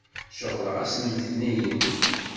Ceɣleɣ ass n letniyen.